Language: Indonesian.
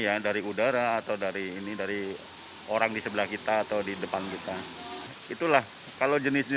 ya dari udara atau dari ini dari orang di sebelah kita atau di depan kita itulah kalau jenis jenis